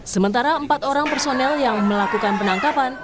sementara empat orang personel yang melakukan penangkapan